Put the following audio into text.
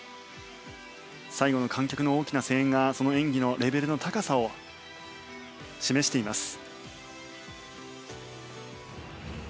最後の観客の大きな声援がその演技のレベルの高さを示しています。